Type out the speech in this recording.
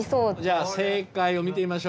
じゃあ正解を見てみましょうか。